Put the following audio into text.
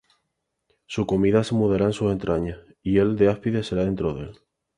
Su comida se mudará en sus entrañas, Hiel de áspides será dentro de él.